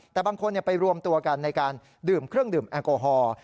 แต่บางคนไปรวมตัวกันในการดื่มเครื่องดื่มแอลกอฮอล์